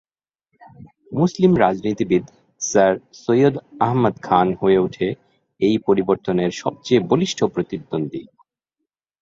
মুসলিম রাজনীতিবিদ স্যার সৈয়দ আহমদ খান হয়ে ওঠে এই পরিবর্তনের সবচেয়ে বলিষ্ঠ প্রতিদ্বন্দ্বী।